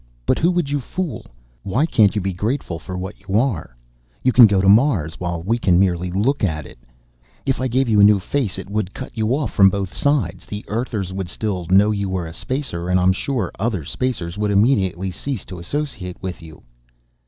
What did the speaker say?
But who would you fool? Why can't you be grateful for what you are? You can go to Mars, while we can merely look at it. If I gave you a new face, it would cut you off from both sides. The Earthers would still know you were a Spacer, and I'm sure the other Spacers would immediately cease to associate with you."